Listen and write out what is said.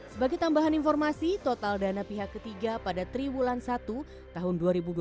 sebagai tambahan informasi total dana pihak ketiga pada triwulan satu tahun dua ribu dua puluh